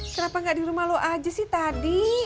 kenapa nggak di rumah lo aja sih tadi